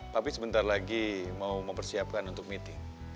tapi sebentar lagi mau mempersiapkan untuk meeting